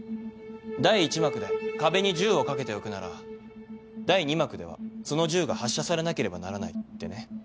第１幕で壁に銃を掛けておくなら第２幕ではその銃が発射されなければならないってね。